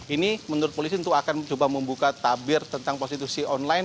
ini menurut polisi untuk akan coba membuka tabir tentang prostitusi online